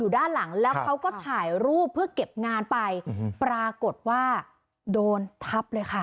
ด้านหลังแล้วเขาก็ถ่ายรูปเพื่อเก็บงานไปปรากฏว่าโดนทับเลยค่ะ